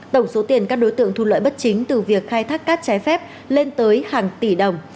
tổng số tiền các đối tượng thu lợi bất chính từ việc khai thác cát trái phép lên tới hàng tỷ đồng